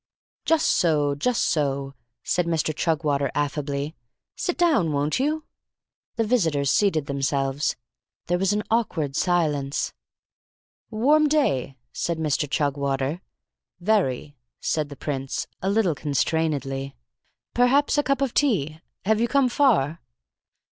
"Just so just so!" said Mr. Chugwater, affably. "Sit down, won't you?" The visitors seated themselves. There was an awkward silence. "Warm day!" said Mr. Chugwater. "Very!" said the Prince, a little constrainedly. "Perhaps a cup of tea? Have you come far?"